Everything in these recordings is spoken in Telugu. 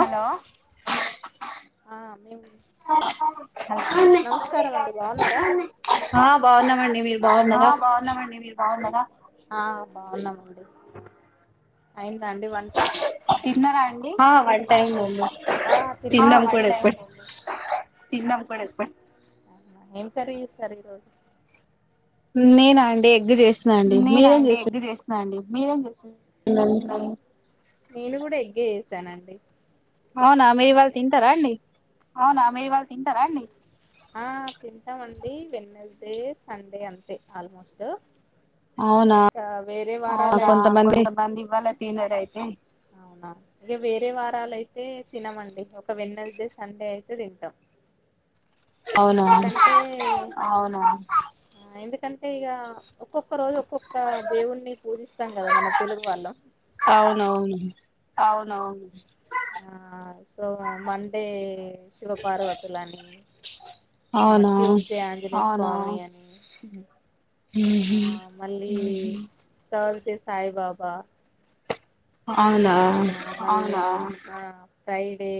హలో ఆ మ నమస్కారం అండి బాగున్నారా బాగున్నామండి మీరు బాగున్నారా ఆ బాగున్నామండి అయిందండి వంట తిన్నారా అండి తిన్నా తిన్న పడ ఏంతర ఈ సర ఇరోజు నేన అం ఎగ్ చేసి అండి మీరేం చేస అండి మీరేం చేస అ నేను కూడా ఎగ్గే చేసానండి అవునా మీరు వాళ్ళు తింటారా అండి అవునా మీ వాళ తింటారా అండి తింటామండి వెన్నెళ్తే సండే అంతే ఆల్మోస్ట్ అకా వేరే వా కొంత బంద్వాల తినరయితే అవునా ఇక వేరే వారాలుయితే తినమండి ఒక వెన్నది సండే అయితుది ఇంట ఎందు క ఎందుకంటే ఇక ఒక్కొక్క రోజు ఒక్కొక్క దేవుణ్ణి పూజిస్తాం కదా మన తెలుగు వాళ్ళం అవునవును అవునువును సో మ అ శివ పార్వతులని ఆ ట్యూస్డే ఆంజనీయ స్వా అని ఉ ఆ మళ్ళీ తతే సాయిబాబా అవు ఫ్రైడే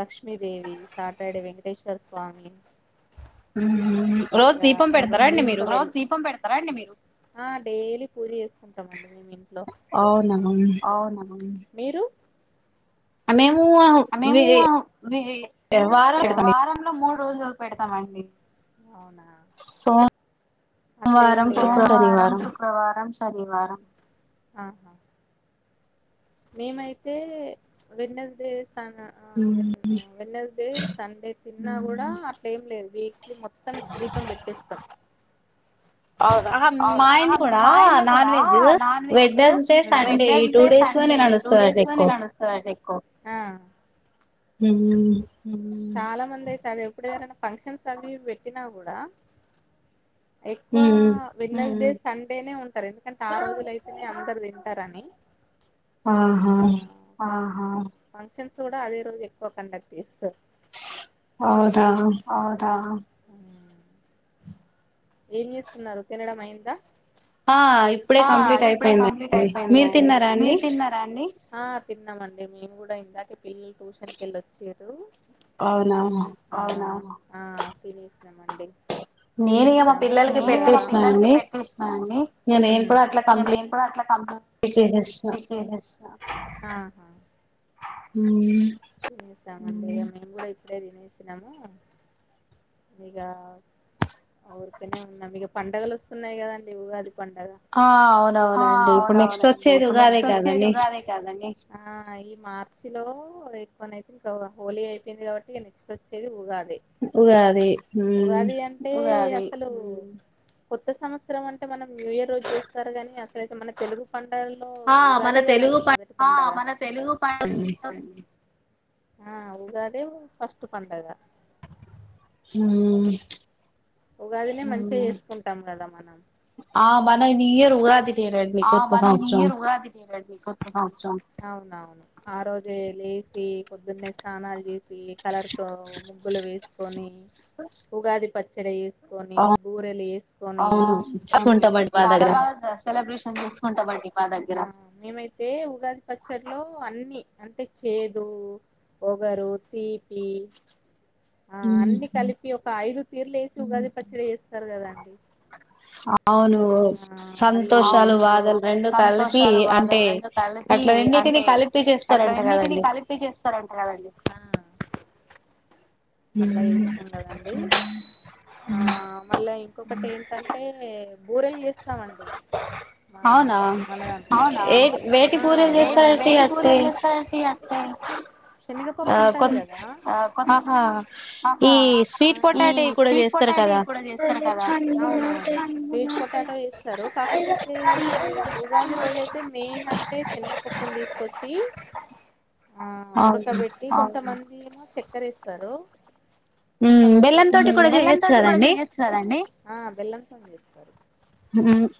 లక్ష్మిీదేవి సాటర్డే వెంకటేశ్వర్ స్వామి ఉ రోజు దీపం పెడతారా అండి మీరు డి మీరు ఆ డైలీ పూజ చేసుకుంటామ అండి ట్లో అవునావు మీరు మేము వారం మూడు రోజులు పెడతామండి అవునా ఆ అట్లే ఏం లేదు శనివారం శుక్రవారం శనివారం మేమైతే వెన్నల్ స వె వెన్నద సండే తిన్నా కూడా ఆ టైం లేదు వేక్లి మొత్తం దీపం పెట్టేస్తాం అవు మా ఇంలో కూడా non veg Wednesday Sunday ఈ టూ డేస్ లో నేను అడుస్తాన్నా ఎక్కువ హమ్ చాలా మంది అయితే అది ఎప్పుడు ఏరైనా ఫంక్షన్స్ సనీ పెట్టినా కూడా ఎక్కువ విన్న సండేనే ఉంటా స ఎందుకంటే ఆ రోజులు అయితేనే అందరు ద తరాని ఆహా ఫంక్షన్స్ కూడా అదే రోజు ఎక్కువ కండక్ట్ తీస్ అవుదా ఆ ఏం చేస్తున్నారు తినడం అయిందా ఆ ఇప్పుడే కంప్లీట్ అయిపోయిందండి మీరు తిన్నారా అండి ఆ తిన్నామండి మేము కూడా ఇందాకే పిల్లలు ట్యూషన్కి వెళ్ళి వచ్చారు అవునా ఆ తలిసినమండి నేర పా నేను మా పిల్లలకి పెట్టేసినను అండి నేను కూడా అట్లా కంప్లీ పె ఆ హమ్ ామండి మేము కూడా ఇప్పుడే తినేసినాము ఇక ఊరికనే ఉన్నాం మీక పండుగలు వస్తున్నాయి కదండి అది ండగా ఆ అవునవునండి ఇప్పుడు నెక్స్ట్ వచ్చేది ఉగాదే కాదండి ఆ ఈ మార్చి లో ఎక్కువనైతే ఇంకా హోలీ అయిపోయింది కాబట్టి నెక్స్ట్ వచ్చేది ఊగా ఉగాది అసలు కొత్త సంవత్సరం అంటే మనం న్యూ ఇయర్ రోజు చేస్తారు కాని అసలుయితే మన తెలుగు పండల్లో ఉగాదే కదండి మొదటి పండగ తెలుగు ప ఆ ఉగాదే ఫస్ట్ పండగ హ్మ్ ఉగాది నె మంచి చెస్ కుంటాం కదా మనం ఆ మన న్యూ ఇయర్ ఉగాది ఆ మన న్యూ ఇయర్ ఉగాది నె నండి కొత్త సంవత్సరం అవునువును ఆ రోజే లేసి పొద్దున్నే స్నానాలు చేసి కలర్తో ముగ్గులు వేసుకొని ఉగాది పచ్చడి వేస్ బూరెలు వేసుకొని చాలా బా సెలెబ్రేష కుంటామండి మా దగ్గర మేమైతే ఉగాది పచ్చడిలో అన్ని అంటే చేదు వగరు తీపి ఆ అన్ని కలిపి ఒక ఐదు తీరులేసు ఉగాది పచ్చడిచెస్ [inaudible] కదండీ ఆ మళ్ళీ అవును సంతోషాలు బాధలు అంటే అట్ల రెండిటిని కలిపి అంటే అట్లా రెండింటిని కలిపి చేస్తారంట కదండి అట్లా చేస్తాం కదండి ఆ మళ్ళ ఇ ఇంకోకటి ఏంటంటే బూరెలు చేస్తామండి మ అవునా వేటి పూరలు చేస్తార అంటే శనగపప్పు ఉంటది కదా కొ ఆహా ఈ స్వీట్ పొటాటా కూడా చేస్తారు కదా అవునువును స్వీట్ పొటాటా చేస్తారు కాకపోతే ఉగాది రోజ అయితే మెయిన్ అంటే శనగపట్ని తీసుకొచ్చి ఆ ఉడకబెట్టి కొంత మం ఎమో చక్కర ఎస్తారు కొంత మంది ఏమో బెల్లం తోటి కూడా చేయచ్చు కదా అండి ఆ బెల్లం తో నె చేస్తారు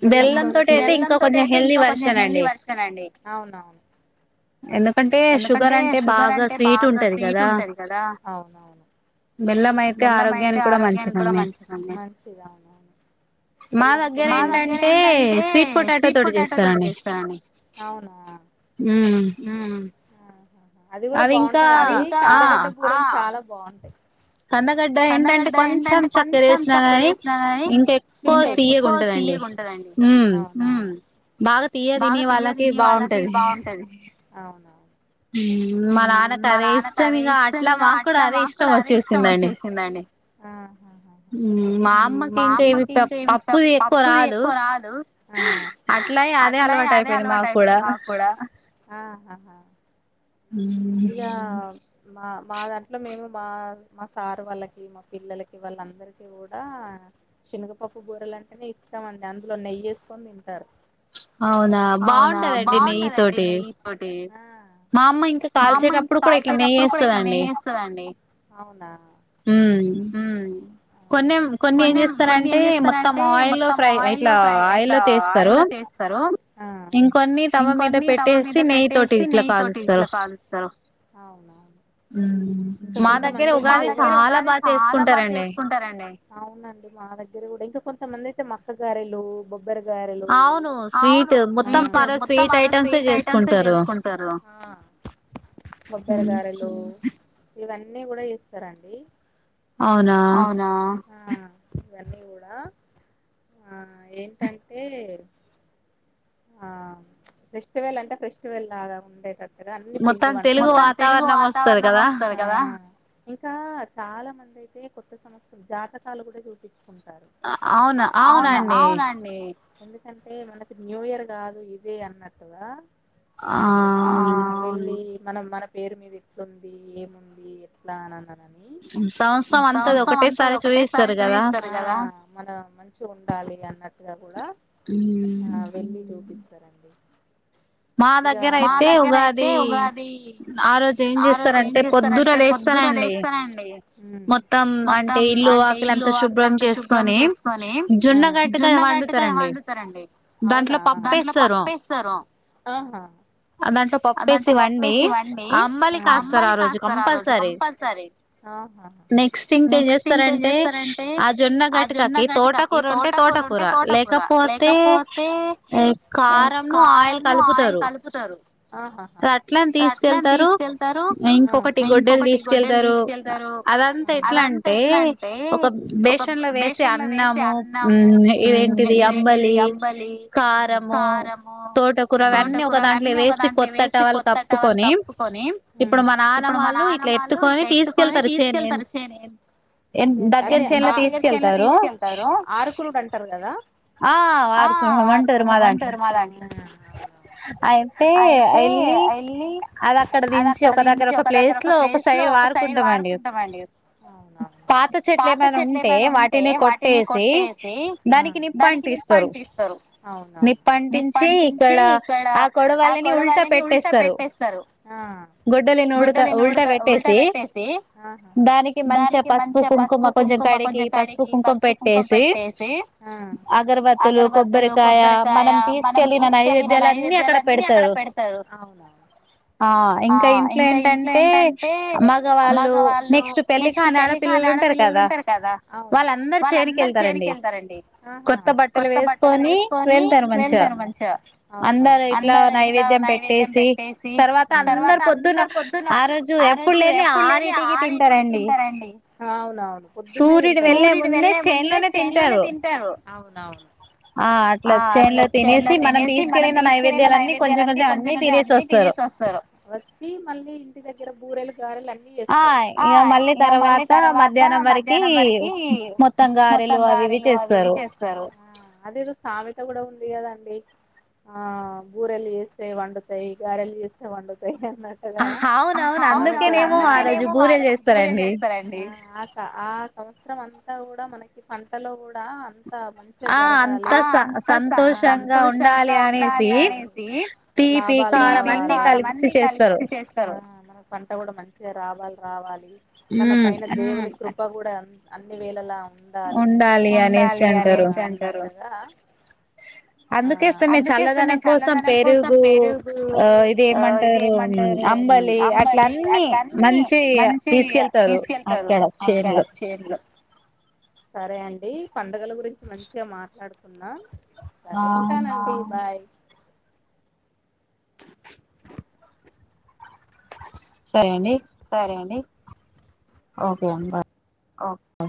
బెల్లం తో బెల్లం తోటి అయితే ఇంకా కొంచెం హెల్తీ వెర్షన్ అవునువును ఎందుకంటే షుగర్ అంటే బాగా స్వీట్ ఉంటది కదా అవునువును బెల్లం అయితే ఆరోగ్యానికి కూడా మంచిదండి మంచిది అవుఙ్ మా దగ్గర ఏంటంటే స్వీట్ పొటాటో తోటి చేస్తారండి అవునా హ్మ్ ఆహా అది కూడా బాగుంటది అండి కందగడ్డ కూడా చాలా బాగుం కందగడ్డ ఏంటంటే కొంచెం చక్కర వేసినా కాని ఇంకా ఎక్కువ తీయగుంటది అండి బాగా తీయగా తినే వాళ్ళకి బాగుంటది అవునవును మా నాన్నకు అదే ఇష్టం ఇక అట్లా మాకు కూడా అదే ఇష్టం వచ్చేసిందండి ఆ మా అమ్మకి ఇంకా ఏమి పప్పుది ఎక్కువ రాదు అట్లా అదే అలవాటు అయిపోయింది మాకు కూడా ఇగా మా మా దాంట్లో మేము మా మా సారు వాళ్ళకి మా పిల్లలకి వాళ్ళందరిక కూడా శనగపప్పు బూరెలు అంటేనే ఇష్టం అండి అందులో నెయ్యేసుకొని తింటారు అవునా బాగుంటదండి నెయ్యి తోటి మా అమ్మ ఇంకా కాల్చ అమ్ ఇంకా కాల్చేటప్పుడు కూడా ఇట్లా మేేస్తుందండి అవునా కొన్నిం కొన్ని ఏం చేస్తారంటే మొత్తం ఆయిల్లో ఫ్రై ఇట్లా ఆయిల్లో తీస్తారు ఇంకొన్ని తవ మీద పెట్టేసి నెయ్యి తోటి ఇట్లా కాలుస్తారు స్తరూ అవునవును ఇంత కొంతమంది మా దగ్గర ఉగాది చాలా బాగా చేసుకుంటారంండి అవునండి మా దగ్గర కూడా ఇంకా కొంతమంది అయితే మక్క గారలు బ కొబ్బరి గారలు అవును స్వట్ మొత్త స్వీట్ ఐటమ్ చేసుకుంటారు కొబ్బరి గారెలు ఇవన్నీ కూడా చేస్తారండి అవునా ఆ ఇవన్నీ కూడా ఆ ఏంటంటే ఆ ఫెస్టివల్ అంటే ఫ్రెస్టివెల్ లాగా ఉండేటద ద పండి మొత్తం తెలుగు వాతావరణం వస్తుంది కదా ఇంకా చాలా మంది అయితే కొత్త సంవత్సరం జాతకాలు కూడా చూపించుకు అవును అవునండి ఎందుకంటే మనకి న్యూ ఇయర్ ఇ అదు ఇదే అన్నట్ద ఆ మనం మన పేరు మీద ఎట్లుంది ఏముంది ఎట్లా అని అన్న సంవత్సరం అంత ఒకటేసారి చూయిస్తారు కదా మనం మంచి ఉండాలి అన్నట్టుగా కూడా ఆ వెళ్ళ చపిస్తారంండి మా దగ్గర అయితే ఉగాది ఆ రోజు ఏం చేస్తారంటే పొద్దున లేస్తారండి మొత్తం అంటే ఇల్లు ఆకలింత శుభ్రం చేసుకొని జున్న గటుగా వండుతారండి అవునా దాంట్లో పప్పేస్తర అ దాంట్లో పప్పేసి వండి అంబలి కాస్తారు ఆ రోజు కంపల్సరీ నెక్స్ట్ ఇంకేం చేస్తారంటే ఆ జొన్న గటుకకి తోటకూర ఉంటే తోటకూర లేకపోతే కారంమ్ ను ఆయిల్ న్న ఆయిల్ కలుపుతారు అట్లాని తీసుకెళ్తారు ఇంకొకటి గొడ్డలు తీసుకెళ్తారు అదంతా ఎట్లా అంటే ఒక బేషన్ లో వేసిే అన్నము ఇదేంటిది అంబలి ము తోట తోటకూర అవ అన్నీ ఒక దాంట్లో వేసి కొత్తట వాళ్ళ కప్పుకొని ఇప్పుడు మన నాన్నమాళ్ళు ఇట్లా ఎత్తుకొని తీసుకెళ్తారు చేన్ తీసుకెళ్తారు ఆరుకురు అంటారు కదా మంటారు మా దాంట్లోనా అయితే వెళ్ళి అది అక్కడ దంచిి ఒక దగ్గర ఒక ప్లేస్ లో ఒక సైడ్ ఆడుకుంటామ అండి పాత చెట్లు ఏమైనా ఉంటే వాటిని కొట్టేసి దానికి నిప్ప అంటిపిస్తారు అవునవును మీ పంటించి ఇక్కడ ఆ కొడవలిని ఉల్టా పెట్టేసారు గోడల్ని ఉల్ట ఉల్టా పెట్టేసి దానికి మంచిగా పసుపు కుంకుమ కొంచం కడిగి పసుపు కుంకుమ పెట్టేసి అగర్బతుల్లు కొబ్బరికాయ మనం తీసు ళ్ళిన నైవేద్యాలన్ని అక్కడ పెడతారు అవు ఆ ఇంకా ఇంట్లో ఏంటంటే మగ వాళ్ళు నెక్స్ట్ పెళ్ళిక ఆనాడపిిల్లలు ఉంటారు కదా అవు వాళ్ళందరు చేనికి వెళ్తారండి కొత్త బట్టలు వే కొని వెళ్తారు మంచిగా అవున అందరు ఇట్లా నైవేద్యం పెట్టేసి తర్వాత అందరు పొద్దున్న ఆ రోజు ఎప్పుడు లేని ఆనీటికి తింటారండి అవునవును పొద్దు సూర్యుడు వెళ్ళలే ముందే చైన్ లోనే తింటారు అవునవును ఆ అట్లా చైన్ తినేసి మనం తీసుకెళ్ళిన నైవేద్యాలన్నిీ కొంచెం కొంచెం అన్ని తినేసి వస్తారు వచ్చి మళ్ళీ ఇంటి దే ఇర బురేలు గారేలన్నీ జేస్తారు ఇగ మళ్ళ తర్వాత మధ్యా్నం వరకి మొత్తం గారెలు అవి ఇవి చేస్తారు అ కూడా ఉంది కదండి ఆ బూరెలు చేస్తే వండుతాయి గారెలు చేస్తే వండుతాయి అని కదా అవునవును అందుకేనేమో ఆ రోజు బూర చేస్తారంండి సంవత్సరం అంతా గూడా మనకి పంటలో కూడా అ అంత మంచిగా జరగాలి అంత సంతోషంగా ఉండాలి అనేసి భ తీపి కారం అన్ని కలిసి చేస్తారు మన పంట కూడా మంచిగా రావాలి కావాలి మన పైన దేవుడి కృప కూడా అన్ని వేళలా ఉండాలి ఉండాలి అనేసి అంటారు కదా అందుకేస్తే మీ చల్లదనం కోసం పెరుగు ఆ ఇది ఏమంటారు అంబలి అట్ల అన్నీ మంచి తీసుకెళ్తారు అక్కడ చేన్లు సరే అండి పండుగల గురించి మంచిగా మాట్లాడుకున్నా సరే ఉంటాను అండి బాయ్ సరే అండి ఓకే అం బా ఆ